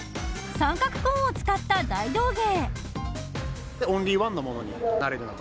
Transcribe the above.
三角コーンを使った大道芸。